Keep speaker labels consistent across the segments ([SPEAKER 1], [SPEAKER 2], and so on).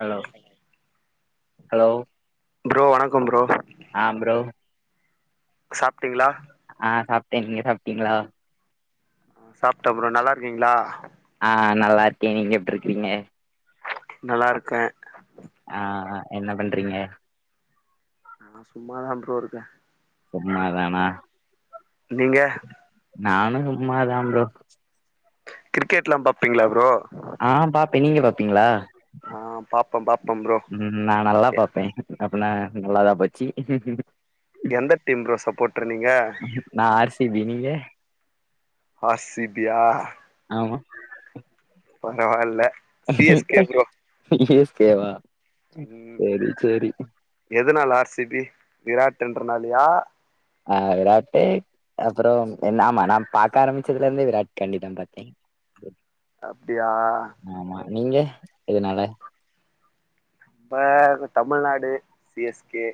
[SPEAKER 1] hello hello
[SPEAKER 2] bro வணக்கம் bro
[SPEAKER 1] ஆ bro
[SPEAKER 2] சாப்ட்டீங்களா
[SPEAKER 1] ஆ சாப்ட்டே நீங்க சாப்ட்டீங்களா
[SPEAKER 2] சாப்டோ ப்ரோ நல்லாஇருக்கீங்ளா
[SPEAKER 1] ஆ நல்லாருக்கே நீங்க எப்பிடிருக்கீங்க
[SPEAKER 2] நல்லாருக்கே
[SPEAKER 1] ஆ அ என்ன பண்றீங்க
[SPEAKER 2] நால சும்மாதா ப்ரோ இருக்கே
[SPEAKER 1] சும்மா தானா
[SPEAKER 2] நீங்க
[SPEAKER 1] நானு சும்மாதா ப்ரோ
[SPEAKER 2] கிரிக்கெட்லா பாப்பீங்ளா ப்ரோ
[SPEAKER 1] அ பாப்பே நீங்க பாப்பீங்ளா
[SPEAKER 2] அ பாப்ப பாப்போ ப்ரோ
[SPEAKER 1] ம் நா நல்லா பாப்பே அப்னா நல்லாதா போச்சு
[SPEAKER 2] எந்த டீம் ப்ரோ சப்போட்ரு நீங்க
[SPEAKER 1] நா ஆர் சி பி நீங்க
[SPEAKER 2] ஆர் சி பி யா
[SPEAKER 1] ஆமா
[SPEAKER 2] கொஞ்சோ நாள்ளா
[SPEAKER 1] சி எஸ் கே வா
[SPEAKER 2] ம்
[SPEAKER 1] சேரி சேரி
[SPEAKER 2] எதுனால ஆர் சி பி விராட்டுன்றனாலயா
[SPEAKER 1] அ விராட்டு அப்றோ நா ஆமா நா பாக்க ஆரம்பிச்சதுலருந்தே விராட் காண்டிதா பாத்தே ம்
[SPEAKER 2] அப்டியா
[SPEAKER 1] ஆமா நீங்க எதுனால
[SPEAKER 2] ப்ப தமிழ்நாடு சி எஸ் கே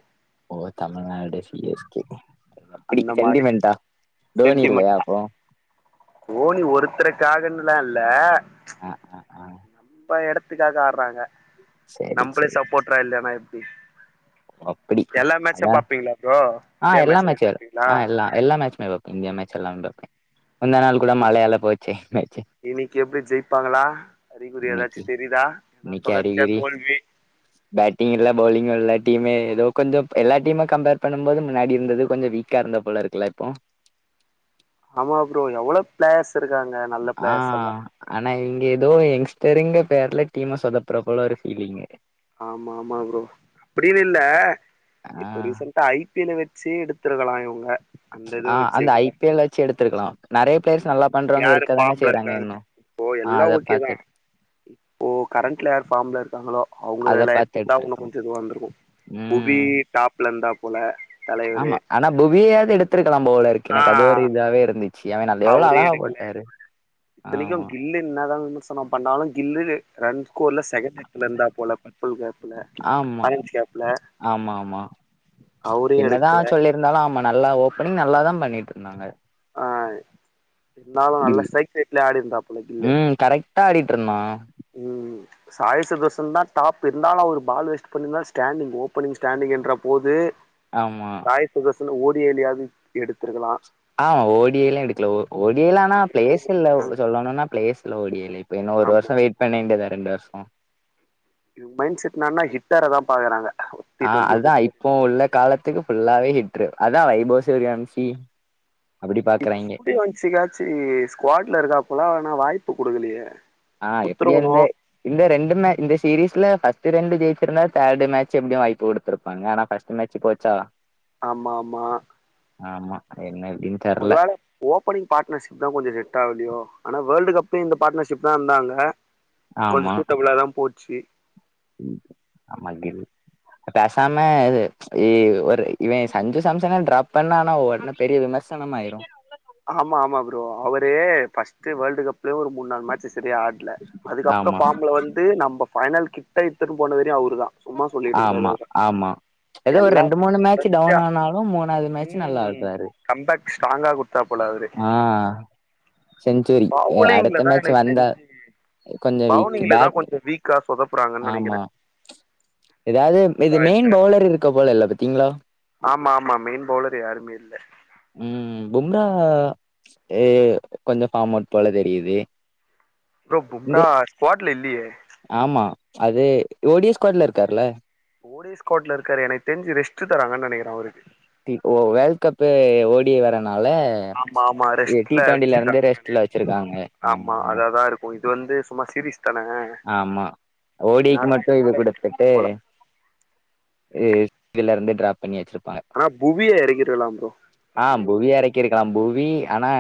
[SPEAKER 1] ஓ தமிழ்நாடு சி எஸ் கே அப்பிடி
[SPEAKER 2] அந்த மாரி
[SPEAKER 1] சென்டிமெண்டா டோனில்லயா அப்போ
[SPEAKER 2] டோனி ஒருத்தருக்காகன்லால்ல
[SPEAKER 1] ஆ ஆ ஆ
[SPEAKER 2] நம்ப எடத் த்துக்காக ஆட்றாங்க
[SPEAKER 1] சேரி
[SPEAKER 2] நம்பளே சப்போட்றா இல்லேனா எப்டி
[SPEAKER 1] அப்
[SPEAKER 2] எல்லா மேச்சு பாப்பீங்களா ப்ரோ
[SPEAKER 1] ஆ
[SPEAKER 2] இன்டியா
[SPEAKER 1] எல்லா
[SPEAKER 2] மேச்லா
[SPEAKER 1] மேட்சு
[SPEAKER 2] பாப்பீங்களா
[SPEAKER 1] ஆ எல்லா எல்லா மேச்சுமே பாப்பே இந்தியா மேச்செல்லாமே பாப்பே முந்தாநாள கூட மழையால போச்சே மேச்சு
[SPEAKER 2] இன்னிக்கு எப்படி ஜெயிப்பாங்களா அறிகுறி ஏதாச்சு
[SPEAKER 1] இன்னைக்கி
[SPEAKER 2] தெரியிதா தொடர்ச்சியா தோல்வி
[SPEAKER 1] பேட்டிங்கில்ல பௌளிங்கில்லே டீமே ஏதோ கொஞ்சோ எல்லா டீமை கம்பேர் பண்ணு போது முன்னாடி இருந்தது கொஞ்சோ வீக்கா இருந்தாப்போல இருக்குல இப்போ
[SPEAKER 2] ஆமா ப்ரோ எவ்ளோ ப்ளாஸ் இருக்காங்க இரு
[SPEAKER 1] அ ஆனா இங்க எதோ எங்ஸடரிங்க பேர்ல டீம சொதப்பற போல இருக்கு இவிங்க
[SPEAKER 2] ஆமா ஆமா ப்ரோ அப்பிடினில்ல
[SPEAKER 1] ஆ
[SPEAKER 2] இப்ப ரீசன்ட் டா ஐ பி எல வச்சே எடுத்துருக்கலா இவுங்க
[SPEAKER 1] அ அந்த ஐ பி எல் வச்சு எடுத்துருக்கலா நெறய ப்ளேயர்ஸ் நல்லா பண்றவங்க இருக்கதான செய்றாங்க இன்னு
[SPEAKER 2] இப்போ
[SPEAKER 1] ஆ
[SPEAKER 2] எல்லா
[SPEAKER 1] அத
[SPEAKER 2] ஓகேதா
[SPEAKER 1] பாத்து
[SPEAKER 2] இப்போ கரண்ட்ல யார் ஃபாம்ல இருக்காங்களோ
[SPEAKER 1] அத
[SPEAKER 2] அவுங்கல
[SPEAKER 1] பாத்து
[SPEAKER 2] எடுத்துருந்தா இன்னு
[SPEAKER 1] எடுத்திருக்கோ
[SPEAKER 2] கொஞ்சோ இதுவாருந்துருக்கு புவி
[SPEAKER 1] ம்
[SPEAKER 2] டாப்ல இருந்தா போல தலைவரு
[SPEAKER 1] ஆமா ஆனா புவியாவது எடுத்துருக்கலா போலருக்கு
[SPEAKER 2] ஆ
[SPEAKER 1] எனக்கு அது ஒரு இதுவாவே இருந்துச்சு சியாளா எவ்வள அழகா போட்டாரு
[SPEAKER 2] இத்தனைக்கு
[SPEAKER 1] ஆமா
[SPEAKER 2] கில்லு என்னதா விமர்சன பண்ணாலு கில்லு ரன் ஸ்கோர்ல செக்ண்ட் எடத்துல இருந்தார் போல புல் கேப்புல
[SPEAKER 1] ஆமா
[SPEAKER 2] ஆயன்ஸ் கேப்புல
[SPEAKER 1] ஆமா ஆமா
[SPEAKER 2] அவுரையு எடுக்குல
[SPEAKER 1] இருந்தாலு ஆமா நல்லா ஓப்பனிங் நல்லாதா பண்ணிட்ருந்தாங்க
[SPEAKER 2] ஆ இருந்தாலு
[SPEAKER 1] கில்
[SPEAKER 2] நல்ல ஸ்டைக் ரேட்ல ஆடிருந்தாப்புல கில்லு
[SPEAKER 1] டா ஆடிட்ருந்தா
[SPEAKER 2] ம் சாய் சுதர்ஷன் தா டாப்பு இருந்தாலு ஒரு பால் வேஸ்ட் பண்ணிருந்தா ஸ்டாண்டிங் ஓப்பனிங் ஸ்டாண்டிங்ன்ற போது
[SPEAKER 1] ஆமா
[SPEAKER 2] சாய் சுதர்சனு ஓடியோடியாவது எடுத்துருக்கலா
[SPEAKER 1] ஆமா ஓடியெல்லா எடுக்கல ஓ ஓடியல ஆனா
[SPEAKER 2] ஓடிஐலயே
[SPEAKER 1] ப்ளேஸில்ல
[SPEAKER 2] முடிச்சுட்டாங்க
[SPEAKER 1] சொல்லுணுன்னா பிளேஸ்ல ஓடியோடி இப்ப இன்னு ஒரு
[SPEAKER 2] ஆமா
[SPEAKER 1] வருஷ வெயிட் பண்ண வேண்டியதா ரெண்டு வருஷ
[SPEAKER 2] இவுங்க மைண்ட் செட் என்னனா ஹிட்டாரதா பாக்குறாங்க டி
[SPEAKER 1] அ
[SPEAKER 2] டுவெண்ட்டியை
[SPEAKER 1] அதா
[SPEAKER 2] பொறுத்தவரை
[SPEAKER 1] இப்போ உள்ள காலத்துக்கு ஃபுல்லாவே ஹிட்ரு அதா வைபோ ஸேரியாம்சி
[SPEAKER 2] இப்பிவன்சுக்காச்சி ஸ்குவாட்ல இருக்காப்பல ஆனா வாய்ப்பு குடுக்கலையே
[SPEAKER 1] ஆ இப்டி இருந்தே இந்த ரெண்டுமே இந்த சீரிஸ்ல ஃபஸ்ட்டு ரெண்டு ஜெயிச்சிருந்தா தேர்டு மேட்ச் எப்பிடியு வாய்ப்பு குடுத்துருப்பாங்க ஆனா ஃபஸ்ட் டு மேட்ச்சு போச்சா
[SPEAKER 2] ஆமாமா
[SPEAKER 1] ஆமா இன்னோரு டீ
[SPEAKER 2] ஒருவேள ஓப்பனிங பாட்னர்ஷிப் தா கொஞ்ச செட்டாவுலையோ ஆனா வேர்ல்டு கப்ல இந்த பாட்னர்ஷிப் தா இருந்தாங்க கொஞ்ச சூட்டப்ளா தா போச்சு
[SPEAKER 1] ம் ஆமா கில் பேசாம இது இ ஒரு இவன் சஞ்சு சாம்சன டிராப் பண்ணா ஆனா ஒட்னே பெரிய விமர் சனமாயிரு
[SPEAKER 2] ஆமா ஆமா ப்ரோ அவரு ஃபஸ்ட்டு வேர்ல்டு கப் லேயே ஒரு மூண் நால் மேட்ச்சு சரியா ஆட்ல அதுக்கப்பற
[SPEAKER 1] ஆமா
[SPEAKER 2] ஃபார்ம்ல வந்து நம்ம ஃபைனல் கிட்ட இத்துனு போனவரே அவரு தா சும்மா சொல்லிட கூடாது
[SPEAKER 1] ஆமா
[SPEAKER 2] அவர
[SPEAKER 1] ஆமா எதோ ஒரு
[SPEAKER 2] எல்லா
[SPEAKER 1] ரெண்டு மூணு
[SPEAKER 2] மேட்சும்
[SPEAKER 1] மேட்ச் சு
[SPEAKER 2] தொடர்ச்சியா
[SPEAKER 1] டவுன் ஆனாலு மூணாவுது மேட்ச்சு நல்லா
[SPEAKER 2] ம்
[SPEAKER 1] ஆடுவாரு
[SPEAKER 2] கம்பேக் ஸ்டாங்கா குடுத்தாப்புல அவுரு
[SPEAKER 1] ஆ செஞ்சுரி
[SPEAKER 2] பவுலிங்ல
[SPEAKER 1] அடுத்த
[SPEAKER 2] தா
[SPEAKER 1] மேட்ச்
[SPEAKER 2] எனக்கு
[SPEAKER 1] வந்தா
[SPEAKER 2] தெரிஞ்சு
[SPEAKER 1] கொஞ்ச வீக்
[SPEAKER 2] பவுலிங்ல தானன
[SPEAKER 1] பேட்
[SPEAKER 2] கொஞ்ச வீக் க்கா சொதப்புறாங்கன் நெனக்கிறே
[SPEAKER 1] ஏதாது இது மெயின் பவுலர் இருக்க போல இல்ல பத்தீங்களா
[SPEAKER 2] ஆமாமா மெயின் பவுலர் யாருமே இல்ல
[SPEAKER 1] ம் ம் பும்ரா ஏ கொஞ்ச ஃபாம் அவுட் போல தெரியுது
[SPEAKER 2] ப்ரோ
[SPEAKER 1] இந்த
[SPEAKER 2] பும்ரா ஸ்பாட்ல இல்லியே
[SPEAKER 1] ஆமா அது ஒடி ஸ்குவாட்ல இருக்காருல்ல
[SPEAKER 2] ஓடி ஸ்குவாட்ல இருக்காரு எனக்கு தெரிஞ்சு ரெஸ்ட்டு தராங்கன் நெனக்கிற அவருக்கு
[SPEAKER 1] டி ஓ வேல் கப்பு ஓடி வர்றனால ஆ
[SPEAKER 2] ஆமா ஆமா
[SPEAKER 1] இது டி
[SPEAKER 2] ரெஸ்ட்ல
[SPEAKER 1] டுவெண்டில இருந்து
[SPEAKER 2] வச்சிருக்காங்கன்னு
[SPEAKER 1] ரெஸ்ட்ல வச்சிருக்காங்க ஆமா ஆமா
[SPEAKER 2] இப்போ இது வந்து சும்மா சீரிஸ் தான
[SPEAKER 1] ஆமா ஓடிக்கு மட்டு இது குடுத்து
[SPEAKER 2] வச்சிருக்காங்க
[SPEAKER 1] ட்டு
[SPEAKER 2] போல
[SPEAKER 1] ஆ கீழருந்து ட்ராப் பண்ணி வச்சுருப்பாங்க
[SPEAKER 2] ஆனா புவிய எறக்கிருக்கலா ப்ரோ
[SPEAKER 1] ஆ
[SPEAKER 2] அதே ஒரு
[SPEAKER 1] புவி
[SPEAKER 2] பெஞ்சு
[SPEAKER 1] எறக்கிருக்கலா புவி ஆனா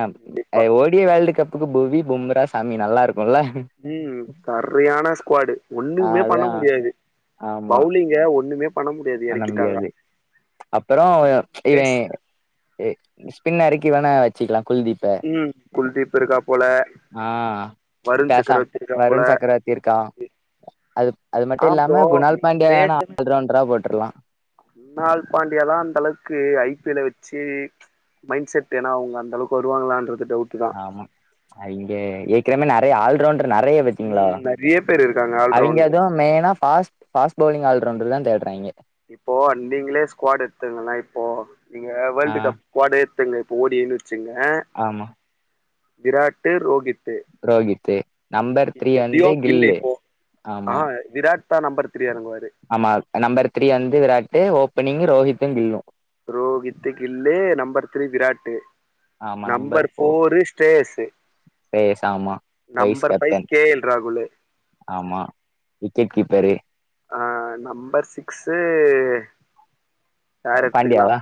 [SPEAKER 1] ஆ
[SPEAKER 2] கண்டிப்பா
[SPEAKER 1] ஓ டி வேர்ல்டு கப்புக்கு புவி பும்ரா சாமி நல்லாருக்குல்ல
[SPEAKER 2] ம் சரியான ஸ்குவாடு
[SPEAKER 1] ஆ
[SPEAKER 2] ஒண்ணுமே பண்ண
[SPEAKER 1] அதா
[SPEAKER 2] முடியாது
[SPEAKER 1] ஆமா
[SPEAKER 2] பவுலிங் கே ஒண்ணுமே பண்ணமு
[SPEAKER 1] பண்ண முடியாது அப்பறோ இவே
[SPEAKER 2] எஸ்
[SPEAKER 1] எ ஸ்பின்ன எறக்கி வேணா வச்சுக்கலா குல்தீப்
[SPEAKER 2] ம் குல்தீப் இருக்கா போல
[SPEAKER 1] அ
[SPEAKER 2] வருண்
[SPEAKER 1] பேசாம்
[SPEAKER 2] சக்கரவர்த்தி இருக்கா போல
[SPEAKER 1] வருண் சக்கரவர்த்தி இருக்கா அது அது மட்டு
[SPEAKER 2] ஆ ப்ரோ
[SPEAKER 1] இல்லாம குணால்
[SPEAKER 2] நீ
[SPEAKER 1] பாண்டிய வேணா ஆல்ரவுண்ட்ரா போட்ருலா
[SPEAKER 2] குனால் பாண்டியலா அந்தளவுக்கு ஐ பி எல வச்சு மைண்ட் செட் ஏனா அவுங்க அந்தளவுக்கு வருவாங்களான்றது டவுட்டு
[SPEAKER 1] ஆமா அ இங்க ஏக்கனமே நறைய ஆல்ரவுண்ட்ரு நெறைய பே கீங்களா
[SPEAKER 2] ம் நெறைய பேர் இருக்காங்க
[SPEAKER 1] அவிங்க
[SPEAKER 2] ஆல்ரவுண்டர்
[SPEAKER 1] எதோ மெய்னா பாஸ் பாஸ் பவுலிங் ஆல்ரவுண்டர்தா தேட்றாய்ங்கே
[SPEAKER 2] இப்போ நீங்களே ஸ்குவாடு எடுத்துக்கள இப்போ நீங்க
[SPEAKER 1] ஆ
[SPEAKER 2] வேல்டு கப் ஸ்குவாடே எடுத்துங்க இப்போ ஓடின் வச்சுங்க
[SPEAKER 1] ஆமா
[SPEAKER 2] விராட்டு ரோகித்து
[SPEAKER 1] ரோகித்து நம்பர் த்ரீ வந்து கில்லு
[SPEAKER 2] ஆ
[SPEAKER 1] ஆமா
[SPEAKER 2] விராட் தா நம்பர் த்ரீ எறங்குவாரு
[SPEAKER 1] ஆமா நம்பர் த்ரீ வந்து Virat opening Rohit Gill
[SPEAKER 2] Rohit Gill number three Virat
[SPEAKER 1] ஆமா
[SPEAKER 2] நம்பர்
[SPEAKER 1] ஃபோர்
[SPEAKER 2] ஃபோரு ஸ்ட்டே எஸ்ஸு
[SPEAKER 1] ஸ்ரேயஸ் ஆமா vice
[SPEAKER 2] number five
[SPEAKER 1] captain
[SPEAKER 2] K L ராகுலு
[SPEAKER 1] ஆமா விக்கெட் கீப்பரு
[SPEAKER 2] ஆ நம்பர் சிக்ஸு யார் எடுத்துக்கலா
[SPEAKER 1] பாண்டியாவா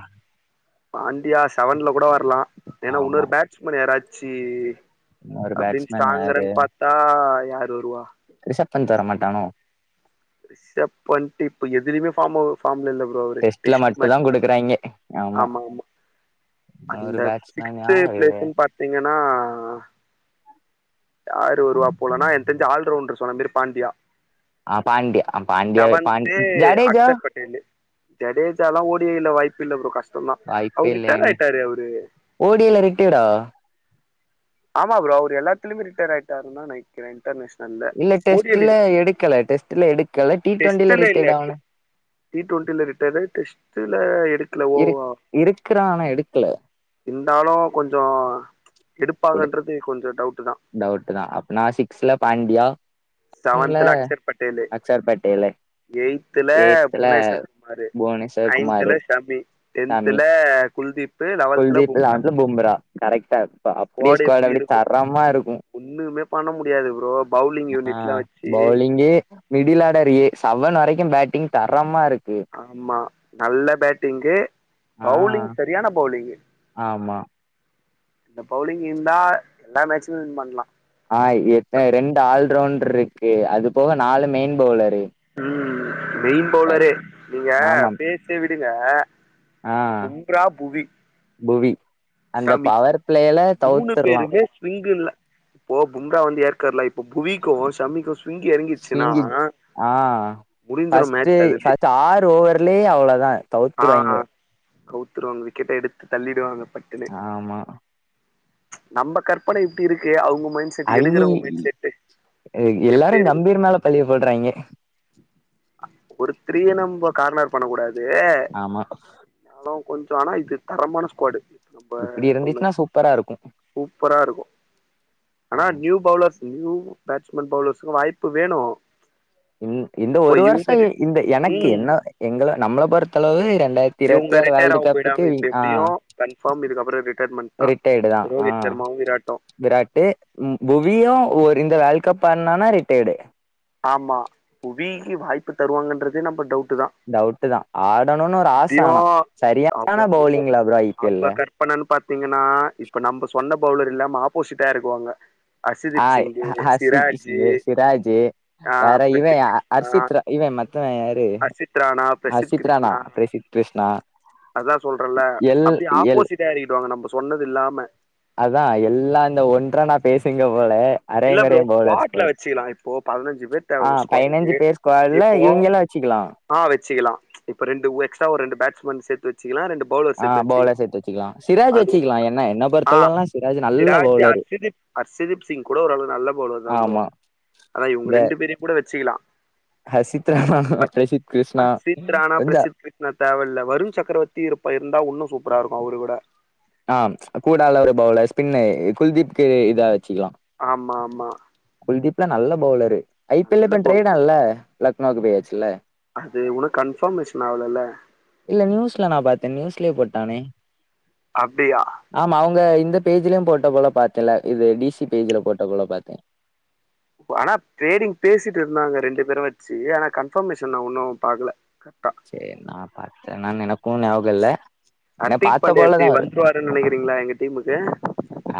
[SPEAKER 2] பாண்டியா செவன்ல கூட வர்லா ஏனா
[SPEAKER 1] ஆமா
[SPEAKER 2] இன்னொரு பேட் ஸ்மேன் யாராச்சு
[SPEAKER 1] இன்னொரு
[SPEAKER 2] அப்பிடின்
[SPEAKER 1] பேட்ஸ்மேன் யாரு
[SPEAKER 2] ஸ்டாங்கறன் பாத்தா யார் வருவா
[SPEAKER 1] ரிஷப்பந்த் வர மாட்டானோ
[SPEAKER 2] ரிஷப்பத்து இப்ப எதுலயுமே ஃபாமோ ஃபாம்ல இல்ல ப்ரோ இப்ப அவுரு
[SPEAKER 1] டெஸ்ட்ல
[SPEAKER 2] டெஸ்ட்டு
[SPEAKER 1] மட்டும் தான்
[SPEAKER 2] மேச்சுதா
[SPEAKER 1] குடுக்குறாய்ங்க
[SPEAKER 2] ஆமா ஆமா அந்த
[SPEAKER 1] இன்னொரு பேட்ஸ்மேன்
[SPEAKER 2] சிக்ஸ்த்து
[SPEAKER 1] யாரு
[SPEAKER 2] பிளேஸுன் பாத் தீங்கனா யாரு வருவா போலனா எனக் தெரிஞ்சி ஆல்ரவுண்ட்ரு பணம்பேரு பாண்டியா
[SPEAKER 1] ஆ பாண்டியா பாண்டியா பாண்
[SPEAKER 2] செவன்த்து
[SPEAKER 1] ஜடேஜா
[SPEAKER 2] அக்ஷர் பட்டேலு ஜடேஜால்லா ஓடியே இல்ல வாய்ப்பில்ல ப்ரோ கஷ்டந்தா
[SPEAKER 1] வாய்ப்பே
[SPEAKER 2] அவுரு
[SPEAKER 1] இல்ல
[SPEAKER 2] ரிட்டர்யடு
[SPEAKER 1] அணி
[SPEAKER 2] ஆயிட்டாரு அவுரு
[SPEAKER 1] ஓடில ரிட்டயர்டா
[SPEAKER 2] ஆமா ப்ரோ அவுரு எல்லாத்துலயுமே ரிட்டயர்டு ஆயிட்டாருந்தா நனைக் கிற இண்டர்நேஷனல்ல
[SPEAKER 1] இல்ல டெஸ்ட்ல
[SPEAKER 2] ஓடியேல்லருக்
[SPEAKER 1] எடுக்கல டெஸ்ட்ல எடுக்கல டி டுவெண்டில
[SPEAKER 2] டெஸ்ட்டுலேல்ல
[SPEAKER 1] ரிட்டேர்ட் ஆன
[SPEAKER 2] டி டுவெண்ட்டில ரிட்டயர்டு டெஸ்ட்டுல இருக் க்ல
[SPEAKER 1] இரு
[SPEAKER 2] ஓவ
[SPEAKER 1] இருக்கிறான் ஆனா எடுக்கல
[SPEAKER 2] இருந்தாலு கொஞ்சோ இருப்பாங்கன்றதே கொஞ்சோ டவுட்டு தா
[SPEAKER 1] டவுட்டு தா அப்பனா சிக்ஸ்ல பாண்டியா செவன்ல
[SPEAKER 2] செவன்த்துல அக்ஷர் பட்டேலு
[SPEAKER 1] அக்சர் பட்டேலு
[SPEAKER 2] எயித்துல
[SPEAKER 1] எய்த்துல
[SPEAKER 2] புவனேஸ்வர் குமாரு
[SPEAKER 1] புவனேஸ்வர்
[SPEAKER 2] நைன்த்துல
[SPEAKER 1] குமாரு
[SPEAKER 2] ஷமி
[SPEAKER 1] சாமி
[SPEAKER 2] டென்த்துல குல்தீப் லெவல்த்தில்
[SPEAKER 1] குல்தீப் இல்ல
[SPEAKER 2] பும்ரா
[SPEAKER 1] அது பும்ரா கரெக்ட்டா இப்ப அப்டியே ஸ்குவாடு அப்டே தரமா இருக்கு
[SPEAKER 2] ஒண்ணுமே பண்ண முடியாது ப்ரோ பௌவுலிங் யூனிட்
[SPEAKER 1] அ பௌவுலிங்கி மிடில் ஆடர் ஏ சவன் வரைக்கு பேட்டிங் தரமாருக்கு
[SPEAKER 2] ஆமா நல்ல பேட்டிங்கு
[SPEAKER 1] ஆ
[SPEAKER 2] பௌலிங் செரியான பௌவுலிங்கு
[SPEAKER 1] ஆமா
[SPEAKER 2] இந்த பௌவுலிங் இந்தா எல்லா மேச்சுமே வின் பண்லா
[SPEAKER 1] அ எத்த ரெண்டு ஆல்ரவுண்ட்ருக்கு அது போக நாலு மெயின் பௌவுலரு
[SPEAKER 2] ம் மெயின் பௌவுலரே நீங்க பேச்ச விடுங்க
[SPEAKER 1] அ
[SPEAKER 2] பும்ரா புவி
[SPEAKER 1] புவி அந்த பவர்ப்ளேல தவுத்தர்லா
[SPEAKER 2] ஏ ஸ்விங்குல்ல ப்போ புங்கா வந்து ஏற்கர்ல இப்ப புவிக்கு சமிக்கு சு
[SPEAKER 1] ஸ்விங்கிங் ஆ
[SPEAKER 2] முடிஞ்சிரு
[SPEAKER 1] ஃபஸ்ட்டு
[SPEAKER 2] மேட்ச் அதுலயே
[SPEAKER 1] ஃபஸ்ட்டு ஆறு ஓவர்லே அவ்ளதா
[SPEAKER 2] ஆ கவுத்துருவாங்க விக்கெட்ட எடுத்து தள்ளிடுவாங்க பட்டுன்னு
[SPEAKER 1] ஆமா
[SPEAKER 2] நம்ம கற்பன இப்டி இருக்கு அவுங் மைண்ட செட்டு
[SPEAKER 1] அவிங்கி
[SPEAKER 2] எடுக்கறவங்க மைண்ட செட்டு
[SPEAKER 1] எல்லாரு
[SPEAKER 2] எப்டி இருக்குமோ
[SPEAKER 1] கம்பீர் மேல
[SPEAKER 2] தெர்ல
[SPEAKER 1] பழிய போடுறாய்ங்க
[SPEAKER 2] அ ஒருத்தரையே நம்ம கார்னர் பண்ண கூடாது
[SPEAKER 1] ஆமா
[SPEAKER 2] ஆனா கொஞ்சோ ஆனா இது தரமான ஸ்க்குவாடு அப்ப
[SPEAKER 1] இப்டி
[SPEAKER 2] சொல்லுங்
[SPEAKER 1] இருந்துச்சுன்னா சூப்பரா இருக்கு
[SPEAKER 2] சூப்பரா இருக்கு ஆனா
[SPEAKER 1] ஆமா
[SPEAKER 2] நியூ பௌவுலர்ஸ் நியூ பேட்ஸ்மேன் பௌவுலர்ஸ்க்கு வாய்ப்பு வேணு
[SPEAKER 1] இந் இந்த
[SPEAKER 2] இப்ப
[SPEAKER 1] ஒரு வர்ஷோ
[SPEAKER 2] இவங்க
[SPEAKER 1] இந்த எனக்கு
[SPEAKER 2] ம்
[SPEAKER 1] என்ன எங்க நம்மள பொறுத்தளவு ரெண்டாயித் இருபத்தேழ் வேர்ல்டு கப்புக்கு வீ ஆ
[SPEAKER 2] கன்ஃபாம் இதுக்கப்பற ரிட்டையர்மென்ட்தா
[SPEAKER 1] ரிட்டையர்டு தா ஆ
[SPEAKER 2] ரோஹித் சர்மாவு விராட்டு
[SPEAKER 1] விராட்டு புவியு ஒரு இந்த வேல்ட் கப் ஆட்னானா ரிட்டையர்டு
[SPEAKER 2] ஆமா புவிக்கி வாய்ப்பு தருவாங்கன்றதே நம்ம டவுட்தா
[SPEAKER 1] டவுட்டுதா ஆடணுன்னு ஒரு ஆச ஆனா செரியான பௌவுலிங்ல ப்ரோ ஐ பி எல்ல
[SPEAKER 2] இப்ப என்னன்னு பாத்தீங்கன்னா இப்ப நம்ம சொன்ன பௌவுலர் இல்லாம ஆப்போசிட்டா எறக்குவாங்க
[SPEAKER 1] ஆ அசித் [unintelligible] சிராஜி வேற
[SPEAKER 2] ஆஹ்
[SPEAKER 1] இவ
[SPEAKER 2] பிரசித் கிருஷ்ணா
[SPEAKER 1] அர்சித் ர இவ மத்தவ யாரு
[SPEAKER 2] அசித் ராணா
[SPEAKER 1] அசித்ரானா பிரிசித் கிருஷ்ணா
[SPEAKER 2] அதா சொல்றல
[SPEAKER 1] எல்
[SPEAKER 2] அப்டியே
[SPEAKER 1] எல்
[SPEAKER 2] ஆப்போசிட்டா எறக்கிடுவாங்க நம்ம சொன்னது இல்லாம
[SPEAKER 1] அதா எல்லா இந்த ஒன்றனா பேசுங்க போல
[SPEAKER 2] இல்ல ப்ரோ
[SPEAKER 1] அரங்கொரையு பௌவுலர்ஸ்
[SPEAKER 2] ஸ்குவாட்ல
[SPEAKER 1] போல
[SPEAKER 2] வச்சுக்கலாம் இப்போ பதினஞ்சு பேர் தேவை
[SPEAKER 1] ஆ
[SPEAKER 2] ஒரு
[SPEAKER 1] பய்னஞ்சு
[SPEAKER 2] ஸ்குவாடுக்கு
[SPEAKER 1] பேர் ஸ்குவாட்ல
[SPEAKER 2] இப்போ
[SPEAKER 1] இவங்களு வச்சுக்கலா
[SPEAKER 2] ஆ வச்சிக்கலா இப்ப ரெண்டு எக்ஸ்ட்ரா ஒரு பேஸ்மன் சேத் வச்சுக்கலாம் ரெண்டு பவுலர்
[SPEAKER 1] ஆ
[SPEAKER 2] சேத்து வச்சுக்
[SPEAKER 1] பவுலர் சேத்து வச்சுக்கலா சிராஜ்
[SPEAKER 2] அது ஒண்ணு
[SPEAKER 1] வச்சுக்கலா என்ன என்ன
[SPEAKER 2] ஆ
[SPEAKER 1] பொறுத்தளவுலா சிராஜ் நல்ல
[SPEAKER 2] சிராஜ்சு
[SPEAKER 1] பவுலரு
[SPEAKER 2] அத் [inaudible] அர்ஷத்தீப்சிங் கூட ஓரளவு நல்ல பௌவுலர்தா ப்ரோ
[SPEAKER 1] ஆமா
[SPEAKER 2] அதா இவுங்க ரெண்டு பேரையும் கூட வச்சுக்கலா
[SPEAKER 1] ஹர்சித்ராம பிரசித் கிருஷ்ணா கொஞ்ச
[SPEAKER 2] நா தேவையில்ல வருண் சக்கரவர்த்தி இருப்ப இருந்தா உன்னு சூப்பராக இருக்கு அவரு கூட
[SPEAKER 1] ஆ கூடால ஒரு பௌவுலர் ஸ்பின்னு குல்தீப்கு இதா வச்சுக்கலா
[SPEAKER 2] ஆமா ஆமா
[SPEAKER 1] குல்தீப்லா நல்ல பௌவுலரு ஐ பி
[SPEAKER 2] நல்ல
[SPEAKER 1] எல்ல ட்ரேடா
[SPEAKER 2] பவுலரு
[SPEAKER 1] இல்ல லக்னோவுக்கு போயாச்சுல்ல
[SPEAKER 2] அது உன்னு கன்ஃபர்மேஷன் ஆவுலல்ல
[SPEAKER 1] இல்ல நியூஸ்ல நா பாத்தே நியூஸ்லே போட்டானே
[SPEAKER 2] அப்டியா
[SPEAKER 1] ஆமா அவுங்க இந்த பேஜ்லையு போட்ட போல பாத்தேல இது டி சி பேஜ்ல போட்ட போல பாத்தே
[SPEAKER 2] ஆனா பேரீங் பேசிட்டு இருந்தாங்க ரெண்டு பேரு வச்சு ஆனா கன்ஃபர்மேஷன் நா உன்னு பாக்கல க
[SPEAKER 1] செரி நான் பார்த்தேனானு எனக்கும் ஞாபகம் இல்ல ஏனா
[SPEAKER 2] அட்டிக்
[SPEAKER 1] பாத்த
[SPEAKER 2] பாண்டே எப்படி
[SPEAKER 1] போலதா ஒரு
[SPEAKER 2] வந்துருவருன்னு நினைக்கிறீங்களா எங்க டீமுக்கு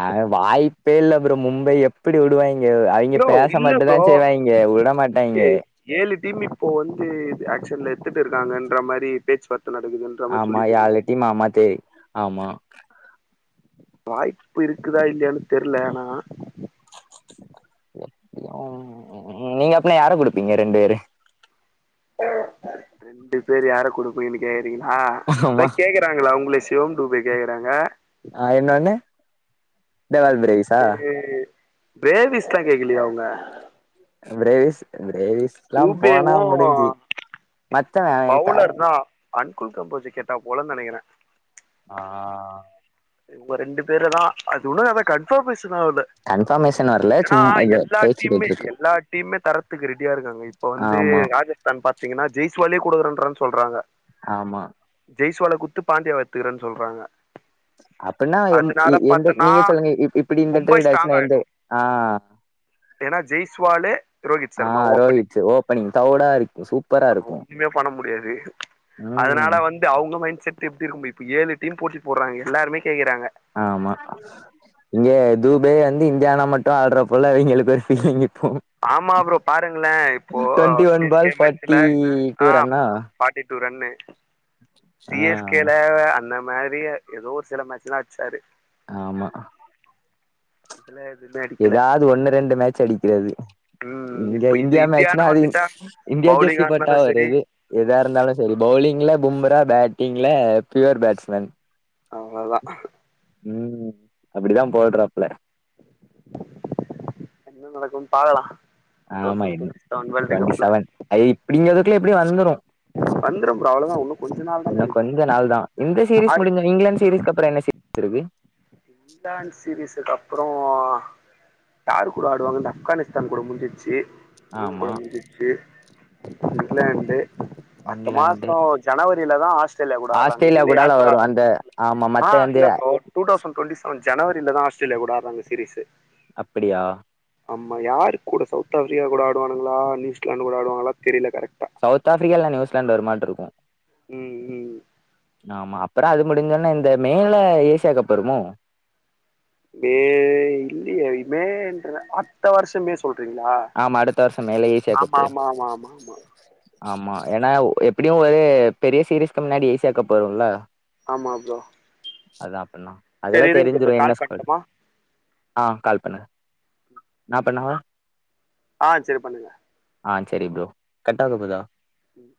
[SPEAKER 1] அ வாய்ப்பே இல்ல ப்ரோ மும்பை எப்படி விடுவாய்ங்க அவிங்க
[SPEAKER 2] ப்ரோ
[SPEAKER 1] பேச
[SPEAKER 2] இல்ல
[SPEAKER 1] மட்டும்
[SPEAKER 2] ப்ரோ
[SPEAKER 1] தான் செய்வாய்ங்க விட மாட்டாங்க
[SPEAKER 2] இல்லையே ஏழு டீம் இப்போ வந்து ஆக்க்ஷன்ல எத்துட்டு இருக்காங்கன்ற மாதிரி பேச்சுவார்த்தை நடக்குது
[SPEAKER 1] ஆமா யாலிட்டி மாமா தேக் ஆமா
[SPEAKER 2] வாய்ப்பு இருக்குதா இல்லையானு தெரியல ஆனா
[SPEAKER 1] நீங்க அப்பனா யார குடுப்பீங்க ரெண்டு பேரு
[SPEAKER 2] ரெண்டு பேரு யார குடுப்ப எப்படின்னு கேக்குறீங்களா
[SPEAKER 1] ஆமா
[SPEAKER 2] அதான் கேக்குறாங்களா உங்கள சிவம் டூப் கேக்குறாங்க
[SPEAKER 1] ஆ இன்னோண்ணு
[SPEAKER 2] பிரேவிஸ்ல்லாம் கேக்கலையே அவங்க
[SPEAKER 1] பிரேவிஸ் பிரேவிஸ் எல்லாம் போனா
[SPEAKER 2] டூபேவும்
[SPEAKER 1] முடிஞ்சு மத்தவ அவ பேரு
[SPEAKER 2] பவுலர் தான் அண்குல் கம்போஜி கேட்டா போல நினைக்கிறேன்
[SPEAKER 1] ஆஹ்ஆஹ்
[SPEAKER 2] உங்க ரெண்டு பேர்தான் அது ஒண்ணும் அதான் கன்ஃபார்ம்மேசன் ஆகல
[SPEAKER 1] கன்ஃபர்மேஷன் வரல
[SPEAKER 2] ஏன்னா
[SPEAKER 1] சும் இது
[SPEAKER 2] எல்லா
[SPEAKER 1] பேச்சு
[SPEAKER 2] டீமே
[SPEAKER 1] போயிட்ருக்கு
[SPEAKER 2] எல்லா டீமே தரத்துக்கு ரெடியா இருக்காங்க இப்ப வந்து
[SPEAKER 1] ஆமா
[SPEAKER 2] ராஜ தன் பாத்தீங்கன்னா ஜெயஸ்வாலே கொடுக்குறேன்னு சொல்றாங்க
[SPEAKER 1] ஆமா
[SPEAKER 2] ஜெய்ஜீவால குடுத்து பாண்டியா எடுத்துக்கிறேன்னு சொல்றாங்க
[SPEAKER 1] அப்டின்னா
[SPEAKER 2] அதனால பார்த்தனா
[SPEAKER 1] நீங்க சொல்லுங்க இப்படி இந்த
[SPEAKER 2] மும்பை
[SPEAKER 1] ட்ரேட்
[SPEAKER 2] ஸ்ட்ராங்
[SPEAKER 1] ஆச்சுன்னா எந்த
[SPEAKER 2] ஆயிடும்
[SPEAKER 1] அஹ
[SPEAKER 2] ஏன்னா ஜெய்ஸ்வாலு ரோஹித் சர்மா
[SPEAKER 1] ஆஹ்
[SPEAKER 2] ஓப்பனிங்
[SPEAKER 1] ரோஹித் ஓப்பனிங் பிரவுடா இருக்கும் சூப்
[SPEAKER 2] ஒண்ணுமே பண்ண முடியாது
[SPEAKER 1] ம்
[SPEAKER 2] அதனால வந்து அவங்க மைண்ட் செட் எப்படி இருக்கும் இப்ப ஏழு டீம் போட்டி போட்டி போடுறாங்க எல்லாருமே கேக்குறாங்க
[SPEAKER 1] ஆமா இங்கே துபை வந்து இந்தியால மட்டும் ஆடுற போல இவங்களுக்கு ஒரு பீலிங் இருக்கும்
[SPEAKER 2] ஆமா ஃப்ரோ பாருங்களேன் இப்போ
[SPEAKER 1] ஒன்
[SPEAKER 2] சீ்ஸ்
[SPEAKER 1] பால்
[SPEAKER 2] கேம்
[SPEAKER 1] ஃபார்ட்டி
[SPEAKER 2] மேட்ச்சுல
[SPEAKER 1] டூ ரன்னா
[SPEAKER 2] ஆஹ் டூ ரன்னு சி
[SPEAKER 1] ஆ
[SPEAKER 2] எஸ் கேல அந்த மரியா ஏதோ ஒரு சில மேட்ச்லாம் வச்சாரு
[SPEAKER 1] ஆமா
[SPEAKER 2] இதுல எதுவுமே அடிக்கல
[SPEAKER 1] ஏதாவது ஒண்ணு ரெண்டு மேட்ச் அடிக்கிறது
[SPEAKER 2] ம்
[SPEAKER 1] இங்க
[SPEAKER 2] இப்ப இது
[SPEAKER 1] இந்தியா
[SPEAKER 2] இந்தியான்னு
[SPEAKER 1] மேட்சனா அது
[SPEAKER 2] வந்துட்டா
[SPEAKER 1] இந்தியா
[SPEAKER 2] பவுலிங்
[SPEAKER 1] ஜெர்சி போட்டா
[SPEAKER 2] ஆடுனாலும்
[SPEAKER 1] ஒரு
[SPEAKER 2] சரி
[SPEAKER 1] இது எதா
[SPEAKER 2] ம்
[SPEAKER 1] இருந்தாலும் செரி பவுலிங்ல பும்மபரா பேட்டிங்ல பியூர் பேட்ஸ்மேன்
[SPEAKER 2] அதனால் தான்
[SPEAKER 1] உம் அப்டிதான் போட்றாப்பல
[SPEAKER 2] என்ன நடக்கும்னு பாக்கலாம் டூ
[SPEAKER 1] ஆமா
[SPEAKER 2] thousand twenty seven world
[SPEAKER 1] twenty
[SPEAKER 2] கப்ல
[SPEAKER 1] செவன் அ இப்படிங்கிறதுக்குல எப்படியும் வந்துரும்
[SPEAKER 2] வந்துரும் ப்ரோ அவ்ளோதான் இன்னும் கொஞ்ச நாள் தானே
[SPEAKER 1] இன்னும்
[SPEAKER 2] இருக்கு
[SPEAKER 1] கொஞ்ச நாள் தான் இந்த சீரீஸ்
[SPEAKER 2] யாரு
[SPEAKER 1] முடிஞ்சுரும் இங்கிலாந்து சீரீஸ் இதுக்கப்பறம் என்ன சேத்துகுறது
[SPEAKER 2] டான்ஸ் சீரீஸ்ஸுக்கு அப்பறம் யார் கூட ஆடுவாங்க ஆப்கானிஸ்தான் கூட முடிஞ்சிருச்சு ரூம்
[SPEAKER 1] ஆமா
[SPEAKER 2] குள்ள முடிஞ்சிருச்சு இங்லாண்டு பத்து
[SPEAKER 1] இங்கிலாந்து
[SPEAKER 2] மாசம் ஜனவரியிலதான் ஆஸ்திரேலியா கூட ஆடுறாங்க
[SPEAKER 1] ஆஸ்திரேலியா
[SPEAKER 2] இல்ல
[SPEAKER 1] கூடால
[SPEAKER 2] யாரு கூட
[SPEAKER 1] வரு அந்த
[SPEAKER 2] ஆடுறாங்கன்னு தெரியல
[SPEAKER 1] ஆமா மத்த
[SPEAKER 2] ஆஹ்
[SPEAKER 1] வந்து
[SPEAKER 2] இல்ல bro two thousand twenty seven ஜனவரியில தான் ஆஸ்திரேலா கூட ஆட்றாங்க சீரீஸ்
[SPEAKER 1] அப்பிடியா பா
[SPEAKER 2] ஆமா யாரு கூட சவுத் ஆப்பிரிக்கா கூட ஆடுவானாங்களா நியூசிலாந்து் கூட ஆடுவாங்களா தெரியல கரெக்டா
[SPEAKER 1] சவுத் ஆப்பிரிக்கா ல்ல நியூசிலாந்து வரு மாட்டு இருக்கு
[SPEAKER 2] ம் ம்
[SPEAKER 1] ஆமா அப்பறோ அது முடுஞ்சொன்னே இந்த மே ல ஏசியா கப் வருமோ
[SPEAKER 2] வே இல்லெயே மே ன்ற ஆத்த வருஷ மே சொல்றீங்களா
[SPEAKER 1] ஆமா அடுத்த வர்ஷொ மே ல ஏசியா
[SPEAKER 2] ஆமா
[SPEAKER 1] கப்பு
[SPEAKER 2] ஆமா ஆமா ஆமா ஆமா
[SPEAKER 1] ஆமா எனா ஒ எப்பிடியு ஒரு பெரிய சீரீஸ்க்கு முன்னாடி ஏசியா கப் வரு இல்ல
[SPEAKER 2] ஆமா ஃப்ரோ
[SPEAKER 1] அதா அப்பன்னா அதெல்லா
[SPEAKER 2] ப்ரோ
[SPEAKER 1] தெருஞ்சிரு என்ன
[SPEAKER 2] கால்
[SPEAKER 1] ஸ்குல்
[SPEAKER 2] பண்ணட்டுமா
[SPEAKER 1] ஆ கால் பண்ணு நா பண்ணாவா
[SPEAKER 2] ஆ சேர் பண்ணுங்க
[SPEAKER 1] ஆ சேரி ஃப்ரோ கட் ஆக போதா
[SPEAKER 2] ம்